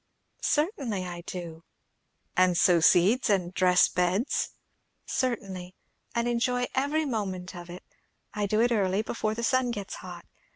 "Certainly I do." "And sow seeds, and dress beds?" "Certainly. And enjoy every moment of it. I do it early, before the sun gets hot.